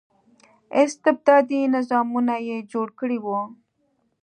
استبدادي نظامونه یې جوړ کړي وو.